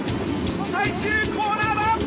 最終コーナーだ！